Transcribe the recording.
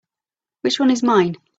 Which one is mine?